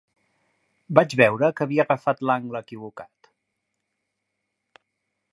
Vaig veure que havia agafat l'angle equivocat.